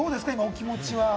今、お気持ちは。